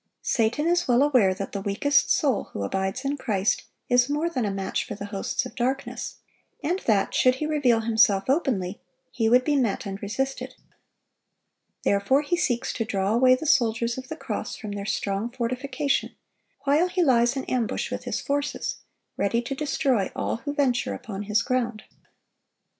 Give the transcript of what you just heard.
Satan is well aware that the weakest soul who abides in Christ is more than a match for the hosts of darkness, and that, should he reveal himself openly, he would be met and resisted. Therefore he seeks to draw away the soldiers of the cross from their strong fortification, while he lies in ambush with his forces, ready to destroy all who venture upon his ground.